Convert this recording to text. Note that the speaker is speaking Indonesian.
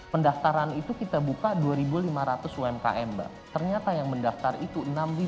pendaftaran itu kita buka dua lima ratus umkm mbak ternyata yang mendaftar itu enam lima ratus